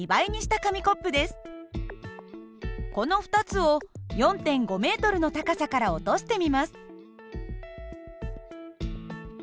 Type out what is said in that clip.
この２つを４．５ｍの高さから落としてみます。